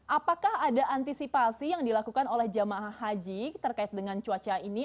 apakah ada antisipasi yang dilakukan oleh jemaah haji terkait dengan cuaca ini